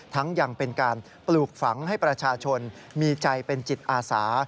ยังเป็นการปลูกฝังให้ประชาชนมีใจเป็นจิตอาสา